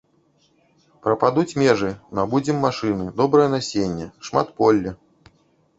Прападуць межы, набудзем машыны, добрае насенне, шматполле.